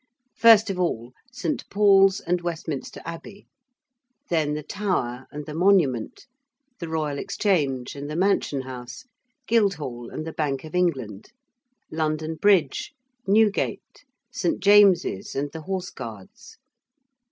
First of all, St. Paul's and Westminster Abbey. Then the Tower and the Monument, the Royal Exchange and the Mansion House, Guildhall and the Bank of England, London Bridge, Newgate, St. James's and the Horse Guards.